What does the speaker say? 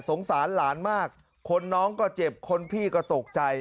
สงสารหลานมากคนน้องก็เจ็บคนพี่ก็ตกใจ